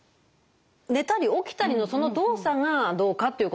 寝たり起きたりのその動作がどうかっていうことなんですね。